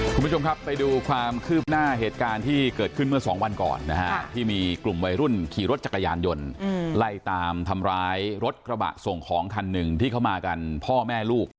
คุณผู้ชมครับไปดูความคืบหน้าเหตุการณ์ที่เกิดขึ้นเมื่อสองวันก่อนนะฮะที่มีกลุ่มวัยรุ่นขี่รถจักรยานยนต์ไล่ตามทำร้ายรถกระบะส่งของคันหนึ่งที่เขามากันพ่อแม่ลูก